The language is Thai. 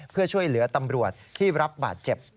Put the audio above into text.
เพื่อช่วยเหลือตำรวจที่รับบาดเจ็บ